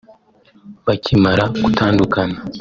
Bakimara gutandukana